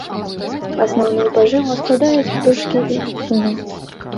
Асноўную пажыву складаюць птушкі і сысуны.